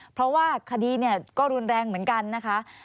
เพราะว่าคดีก็รุนแรงเหมือนกันนะคะ